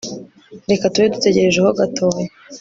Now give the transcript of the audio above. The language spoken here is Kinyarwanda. reka tube dutegereje ho gatoya